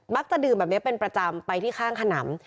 จะดื่มแบบนี้เป็นประจำไปที่ข้างขนำ